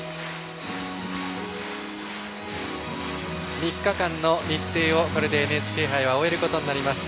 ３日間の日程をこれでＮＨＫ杯は終えることになります。